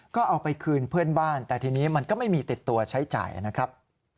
ก็เอาไปคืนเพื่อนบ้านแต่ทีนี้มันก็ไม่มีติดตัวใช้จ่ายนะครับ